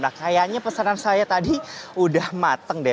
nah kayaknya pesanan saya tadi udah mateng deh